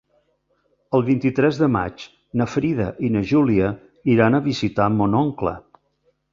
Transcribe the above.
El vint-i-tres de maig na Frida i na Júlia iran a visitar mon oncle.